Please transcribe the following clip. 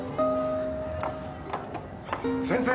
・先生！